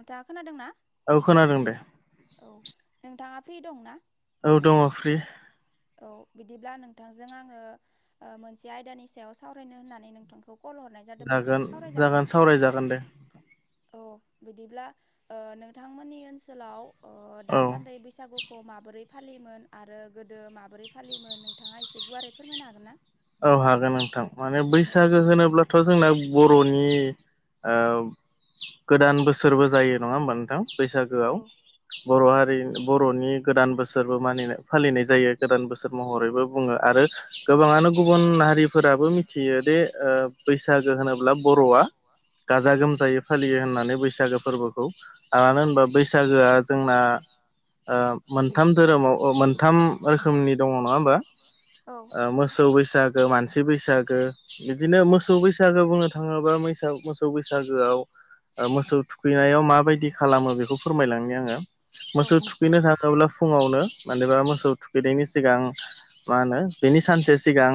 नोंथांङा खोनादों ना? औ खोनादों दे। औ नोंथांङा फ्रि दंना? औ दंङ फ्रि। औ बिदिब्ला नोंथांजों आंङो ओ मोनसे आयदा सावरायनो होन्नानै नोंथांखौ कल हरनाय जादोंमोन जागोन नोंथां सावरायजागोन ना? जागोन सावरायजागोन दे औ बिदिब्ला ओ नोंथांमोननि ओनसोलाव ओ औ दासान्दि बैसागु खौ माबोरै फालियोमोन आरो गोदो माबोरै फालियो मोन नोंथांङा एसे गुवारै फोरमायनो हागोन ना? औ हागोन नोंथां माने औ बैसागो होनोब्लाथ जोंना बरनि ओ गोदान बोसोरबो जायो नङा होमबा नोंथां? औ बैसागोआव बर हारि बरनि गोदान बोसोरबो मानिनाय फालिनाय जायो गोदान बोसोर महरैबो बुङो आरो गोबांङानो गुबुन हारिफोराबो मिथियो दे ओ बैसागो होनोब्ला बर आ गाजा गोमजायै फालियो होननानै बैसागो फोरबोखौ आनो होनबा बैसागोआ जोंना ओ मोनथाम धोरोमाव अ मोनथाम रोखोमनि दंङ नङा होमबा? औ ओ मोसौ बैसागो मानसि बैसागो इदिनो मोसौ बैसागो बुंनो थाङोबा मैसौ मोसौ बैसागोआव ओ मोसौ थुखैनायाव माबायदि खालामो बेखौ फोरमायलांनो आङो औ मोसौ थु थुखैनो थाङोब्ला फुङावनो मानोबा मोसौ थुखैनायनि सिगां मा होनो बेनि सानसे सिगां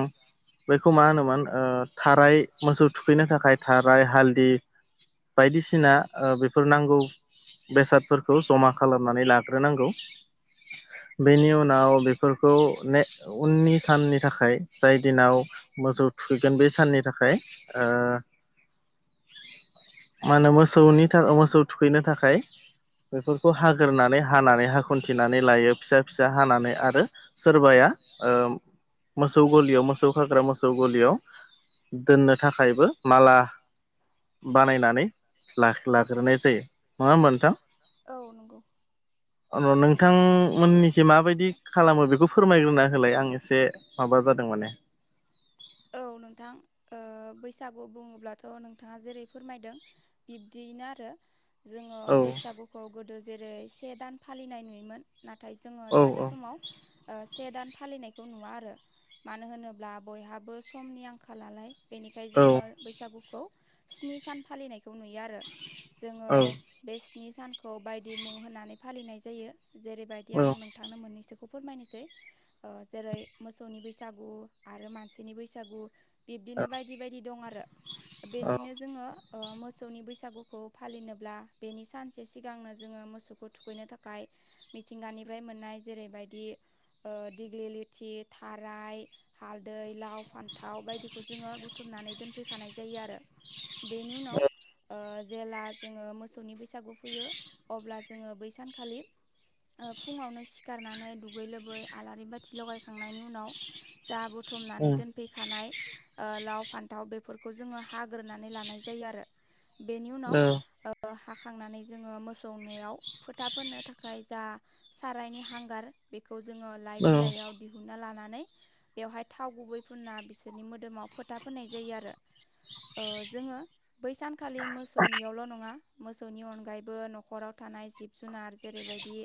बैखौ मा होनोमोन ओ थाराय मोसौ थुखैनो थाखाय थाराय, हालदि बायदिसिना ओ बेफोर नांगौ बेसादफोरखौ जमा खालामनानै लाग ग्रोनांगौ। बेनि उनाव बेफोरखौ ने उननि साननि थाखाय जाय दिनाव मोसौ थुखैगोन बे साननि थाखाय ओ मा होनो मोसौनि था मोसौ थुखैनो थाखाय बेफोरखौ हागोरनानै हानानै हाखन्थि नानै लायो फिसा फिसा हानानै आरो सोरबाया ओ खौ गलियाव मोसौ खाग्रा मोसौ गलियाव दोननो थाखायबो माला बानायनानै ला लाग्रोनाय जायो नङा होनबा नोंथां? औ नंगौ अ नोंथांमोननिखि माबायदि खालामो बेखौ फोरमायग्रोना होलाय आं एसे माबा जादों माने औ नोंथां ओ बैसागु बुङोब्लाथ' नोंथाङा जेरै फोरमायदों बिब्दियैनो आरो जोङो औ बैसागुखौ गोदो जेरै से दान फालिनाय नुयोमोन नाथाय जोङो औ दानि औ समाव ओ से दान फालिनायखौ नुवा आरो मानो होनोब्ला बयहाबो समनि आंखालनालाय बेनिखाय औ जोङो बैसागुखौ स्नि सान फालिनायखौ नुयो आरो जोङो बे स्नि सानखौ बायदि मुं होनानै फालिनाय जायो जेरैबायदि आं नों थांनो मोननैसोखौ फोरमायनोसै ओ जेरै मोसौनि बैसागु आरो मानसि नि बैसागु बिब्दिनो बायदि बायदि दं आरो बेनिनो। जोङो ओ मोसौनि बैसागुखौ फालिनोब्ला बेनि सानसे सिगांनो जोङो मोसौखौ थुखैनो थाख खाय मिथिंगानिफ्राय मोननाय जेरैबायदि ओ दिग्लि लिथि थाराय हालदै लाव फान्थाव बायदिखौ जोङो बुथुमनानै दोनफैखानाय जायो आरो। बेनि उनाव ओ जेला जोङो मोसौनि बैसागु फैयो अब्ला जोङो बै सानखालि ओ फुङावनो सिखारनानै दुगै लोबै आलारि बाथि लगायखांनायनि उनाव जा बुथुमनानै दोनफैखानाय ओ लाव फान्थाव बेफोरखौ जोङो हाग्रोनानै लानाय जायो आरो। बेनि उनाव ओ ओ हाखांनानै जोङो मोसौनियाव फोथा फोननो थाखाय जा सारायनि हांगार बेखौ जोङो लाइ बिलाइयाव दिहुनना लानानै बेवहाय थाव गुबै फुनना बिसोरनि मोदोमाव फोथा फोननाय जायो आरो। ओ जोङो बैसानखालि मोसौनियावल' नङा मोसौनि अनगायैबो न'खराव थानाय जिब जुनार जेरैबायदि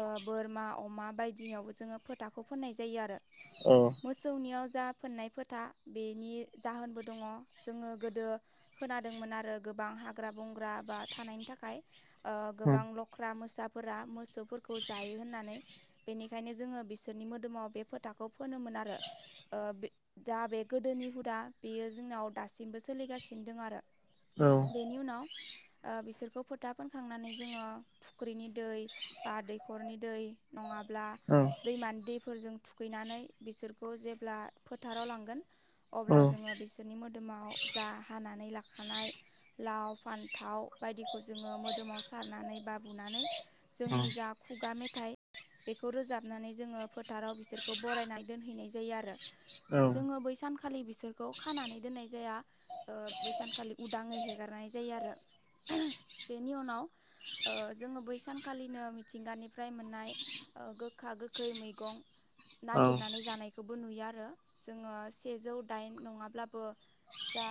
ओ बोरमा अमा बायदिनियावबो जोङो फोथाखौ फोननाय जायो आरो। औ। मोसौनियाव जा फोननाय फोथा बेनि जाहोनबो दङ जोङो गोदो। खोनादोंमोन आरो गोबां हाग्रा बंग्रा बा थानायनि थाखाय ओ गोबां लख ख्रा मोसाफोरा मोसौफोरखौ जायो होननानै। बेनिखायनो जोङो बिसोरनि मोदोमाव बे फोथाखौ फोनोमोन आरो ओ बे दा बे गोदोनि हुदा बेयो जोंनाव दासिमबो सोलिगासिनो दं आरो। औ। बेनि उनाव ओ-बिसोरखौ फोथा फोनखांनानै जोङो फुख्रिनि दै बा दैखरनि दै नङाब्ला औ। दैमानि दैफोरजों थुखैनानै बिसोरखौ जेब्ला फोथाराव लांगोन अब्ला जोङो बिसोरनि मोदोमाव जा हानानै लाखानाय लाव फान्थाव बायदिखौ जोङो मोदोमाव सारनानै बा बुनानै जोंनि जा खुगा मेथाइ बेखौ रोजाबनानै जोङो फोथाराव बिसोरखौ बरायना दोनहैनाय जायो आरो। जोङो बैसान खालि बिसोरखौ खानानै दोननाय जाया ओ बैसानखालि उदाङै हेगारनाय जायो आरो। बेनि उनाव ओ जोङो बै सानखालिनो मिथिंगानिफ्राय मोननाय ओ गोखा गोखै मैगं नागिरनानै जानायखौबो नुयो आ रो जोङो सेजौ दाइन नङाब्लाबो जा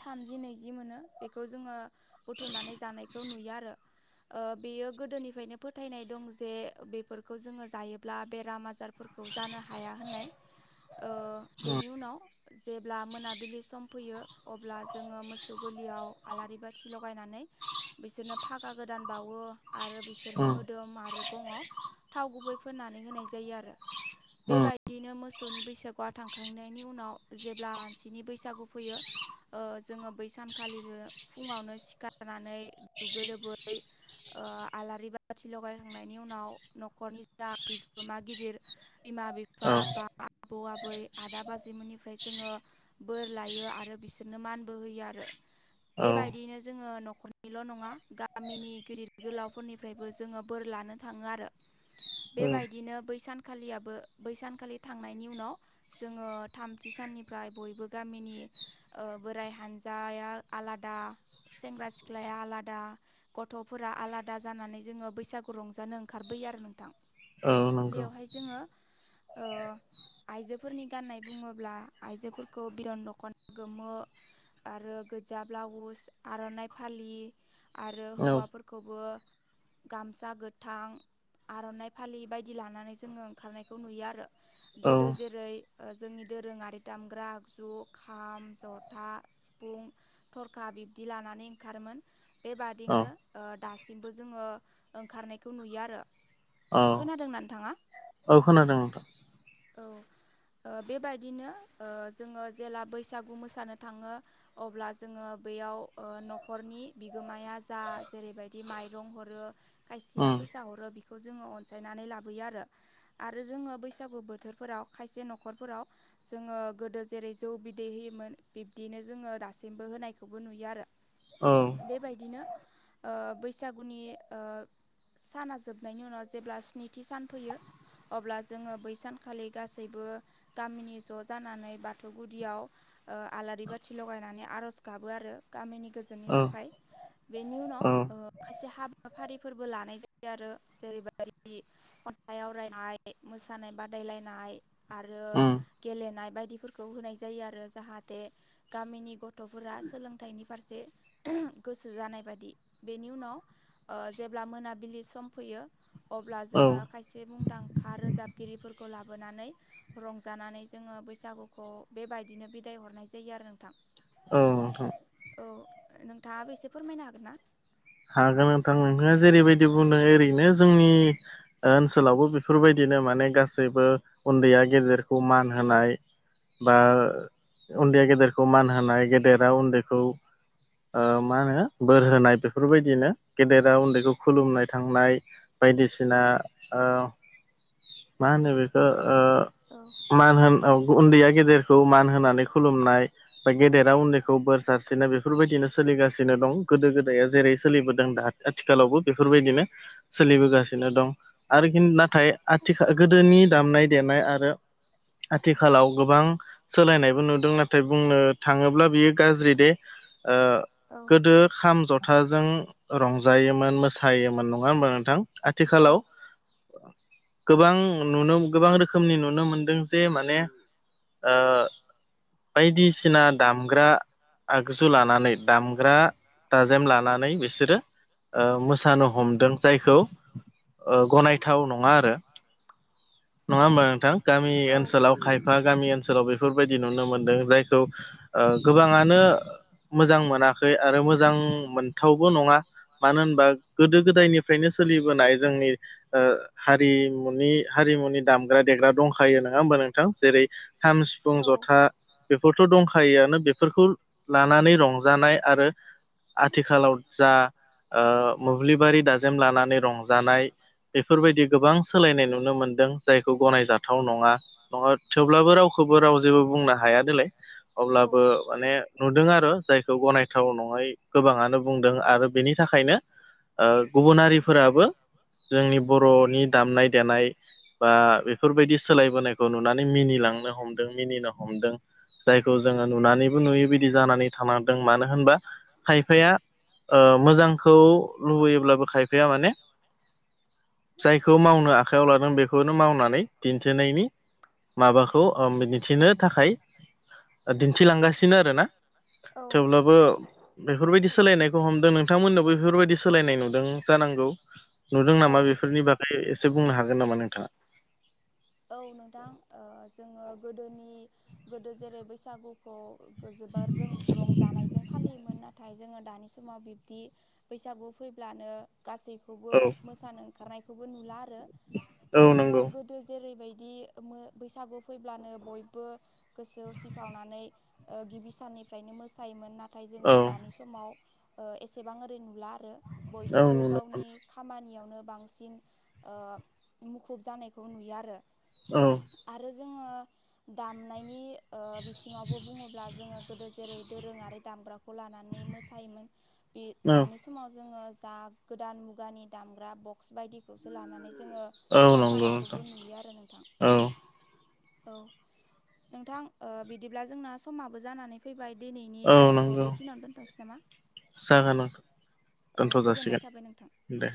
थामजि नैजि मोनो बेखौ जोङो बुथुमनानै जानायखौ नुयो आरो। ओ-बेयो गोदोनिफ्रायनो फोथायनाय दं जे बेफोरखौ जोङो जायोब्ला बेराम आजार फोरखौ जानो हाया होननाय ओ-बेनि उनाव जेब्ला मोनाबिलि सम फैयो अब्ला जोङो मोसौ गोरलियाव आलारि बाथि लगायनानै बिसोरनो फागा गोदान बावो आरो बिसोरनि मोदोम आरो गङाव थाव गुबै फोननानै होनाय जायो आरो बेबाय बिदिनो मोसौनि बैसागुआ थांखांनायनि उनाव जेब्ला मानसिनि बैसागु फैयो ओ जोङो बैसानखालिबो फुङावनो सिखारनानै दुगै लोबै। ओ- आलारि बाथि लगायखांनायनि उनाव नखरनि जा बिगोमा गिदिर बिमा बिफा औ बा आबौ आबै आदा बाजैमोननिफ्राय जोङो बोर लायो आरो बिसोरनो मानबो होयो आरो। औ बेबायदियैनो जोङो नखरनिल नङा गामिनि गिदिर गोलावफोरनि फ्रायबो जोङो बोर लानो थाङो आरो औ बेबायदिनो बैसानखालियाबो बै सानखालि थांनायनि उनाव जोङो थामथि साननिफ्राय बयबो गामिनि बोराइ हानजाया आलादा सेंग्रा सिख्लाया आलादा गथफोरा आलादा जानानै जोङो बैसागु रंजानो ओंखारबोयो आरो नोंथां। औ नंगौ बेवहाय जोङो ओ आइजोफोरनि गाननाय बुङोब्ला आइजोफोरखौ बिदन दखना गोमो आरो गोजा ब्लाउस आरनाइ फालि आरो औ हौवाफोरखौबो। गामसा गोथां आर'नाइ फालि बायदि लानानै जोङो ओंखारनायखौ नुयो आरो। औ गोदो जेरै जोंनि दोरोङारि दामग्रा आगजु खाम जथ था सिफुं थरखा बिब्दि लानानै ओंखारोमोन औ बेबादिनो ओ-दासिमबो जोङो ओंखारनायखौ नुयो आरो औ खोनादों ना नोंथाङा? औ खोनादों नोंथां। औ ओ-बेबायदिनो ओ-जोङो जेला बैसागु मोसानो थाङो अब्ला जोङो बेयाव ओ-न'खरनि बिगोमाया जा जेरैबायदि माइरं हरो खायसेया उम फैसा हरो बेखौ जोङो अनसायनानै लाबोयो आरो। आरो जोङो बैसागु बोथोरफोराव खायसे न'खरफोराव जोङो गोदो जेरै जौ बिदै होयोमोन बिब्दिनो जोङो दासिमबो होनायखौबो नुयो आरो। औ बेबायदिनो ओ बैसागुनि ओ साना जोबनायनि उनाव जेब्ला स्निथि सान फैयो अब्ला जोङो बै सानखालि गासैबो गामिनि ज' जानानै बाथौ गुदियाव ओ आलारि बाथि लगायनानै आर'ज गाबो आरो गामिनि गोजोननि औ थाखाय। बेनि उनाव औ ओ खायसे हाबाफारिफोरबो लानाय जायो आरो जेरैबायदि खन्थाइ आवरायनाय मोसानाय बादायलायनाय आरो उम गेलेनाय बायदिफोरखौ होनाय जायो आरो जाहाथे गामिनि गथ'फोरा सोलोंथाइनि फारसे गोसो जानाय बायदि बेनि उनाव ओ जेब्ला मोनाबिलि सम फैयो अब्ला औ औ जोङो खायसे मुंदां ख रोजाबगिरिफोरखौ लाबोनानै रंजानानै जोङो बैसागुखौ बेबायदिनो बिदाय हरनाय जायो आरो नोंथां। नोंथां औ नोंथाङाबो एसे फोरमायनो हागोन ना? हागोन नोंथां नोंथाङा जेरैबायदि बुंदों ओरैनो जोंनि ओनसोलावबो बेफोरबायदिनो माने गासैबो उनदैया गेदेरखौ मान होनाय बा उन्दैया गेदेरखौ मान होनाय गेदेरा उन्दैखौ ओ मा होनो बोर होनाय बे फोरबायदिनो गेदेरा उन्दैखौ खुलुमनाय थांनाय बायदिसिना ओ मा होनो बेखौ ओ औ मान होन औ उन्दैया गेदेरखौ मान होनानै खुलुमनाय बा गेदेरा उन्दैखौ बोर सारसिनो बेफोरबायदिनो सोलिगासिनो दं गोदो गोदाया जेरै सोलिबोदों दा आथिखालावबो बेफोरबायदिनो सोलिबोगासिनो दं आरो हिन नाथाय आथिखाल गोदोनि दामनाय देनाय आरो आथिखालाव गोबां सोलायनायबो नुदों नाथाय बुंनो थाङोब्ला बियो गाज्रि दे। ओ औ गोदो खाम, ज थाजों रंजायोमोन मोसायोमोन नङा होमबा नोंथां? औ आथिखालाव गोबां नुनो गोबां रोखोमनि नुनो मोनदों जे माने ओ बायदिसिना दामग्रा आगजु लानानै दामग्रा दाजेम लानानै बिसोरो ओ मोसानो हमदों जायखौ ओ गनायथाव नङा आरो। औ नङा होमबा नोंथां? गामि औ ओनसोलाव खायफा गामि ओनसोलाव बेफोरबायदि नुनो मोनदों जायखौ ओ गोबाङानो मोजां मोनाखै आरो मोजां मोनथावबो नङा। मानो होनबा गोदो गोदायनिफ्रायनो सोलिबोनाय जोंनि ओ हारि मुनि हारिमुनि दामग्रा दंखायो नङा होमबा नोंथां? जेरै खाम, सिफुं, जथा बेफोरथ' दंखायोआनो बेफोरखौ लानानै रंजानाय आरो आथिखालाव जा [unintelligible] ओ मोब्लिबारि दाजेम लानानै रंजानाय बेफोरबादि गोबां सोलायनाय नुनो मोनदों जायखौ गनायजा थाव नङा नङा थेवब्लाबो रावखौबो राव जेबो बुंनो हाया दोलाय। औ अब्लाबो माने नुदों आरो जायखौ गनायथाव नङै गोबाङानो बुंदों आरो बेनि थाखायनो ओ गुबुनारिफोराबो जोंनि बर'नि दामनाय देनाय बा बेफोरबायदि सोलायबोनायखौ नुनानै मिनिलांनो हमदों मिनिनो हमदों। जायखौ जोङो नुनानैबो नुयो बिदि जानानै थानांदों मानो होनबा खायफाया ओ मोजांखौ लुबैयोब्लाबो खायफाया माने खौ मावनो आखायाव लादों बेखौनो मावनानै दिन्थिनायनि माबाखौ दिन्थिनो थाखाय दिन्थिलांगासिनो आरो ना। थेवब्लाबो बेफोरबायदि सोलायनायखौ हमदों नोंथांमोननावबो बेफोरबायदि सोलायनाय नुदों जानांगौ। नुदों नामा औ बेफोरनि बागै एसे बुंनो हागोन नामा नोंथाङा? औ नोंथां ओ जोङो गोदोनि गोदो जेरै बैसागुखौ जोबोर रों-रंजानायजों फालियोमोन ना थाय जोङो दानि समाव बिब्दि बैसागु फैब्लानो गासैखौबो औ मोसानो ओंखारनायखौबो नुला आरो औ जोङो नंगौ गोदो जेरैबायदि मो बैसागु फैब्लानो बयबो गोसो उसिफावनानै ओ गिबि साननिफ्रायनो मोसायोमोन ना थाय औ जोङो दानि समाव एसेबां ओरै नुला आरो औ बयखौबो नुनो गावनि मोनो खामानियावनो बांसिन ओ मुखुब जानायखौ नुयो आरो। औ आरो जोङो दामनायनि ओ बिथिङावबो बुङोब्ला जोङो गोदो जेरै दोरोङारि दामग्रा खौ लानानै मोसायोमोन बे औ दानि समाव जोङो जा गोदान मुगानि दामग्रा बक्स बायदिखौसो लानानै जोङो औ नंगौ मोसानायखौबो नोंथां नुयो आरो नोंथां। औ औ नोंथां ओ बिदिब्ला जोंना समाबो जानानै फैबाय दिनैनि औ आयदाखौ नंगौ बेखिनियाव दोन्थ'नोसै नामा? जागोन नोंथां औ दोनथ' जासिगोन गोजोननाय थाबाय नोंथां। दे